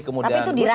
kemudian gus coinasdem